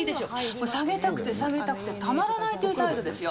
もう下げたくて下げたくてたまらないという態度ですよ。